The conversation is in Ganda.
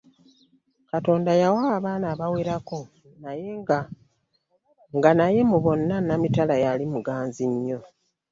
Katonda yabawa abaana abawerako nga naye mu bonna Namitala yali muganzi nnyo.